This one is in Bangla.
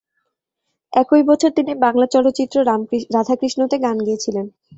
একই বছর তিনি বাংলা চলচ্চিত্র "রাধাকৃষ্ণ" তে গান গেয়েছিলেন।